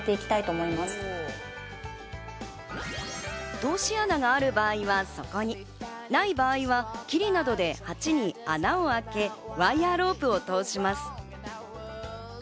通し穴がある場合はそこに、ない場合はキリなどで鉢に穴を開けワイヤロープを通します。